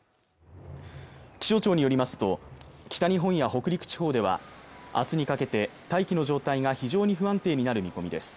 気象庁によりますと北日本や北陸地方ではあすにかけて大気の状態が非常に不安定になる見込みです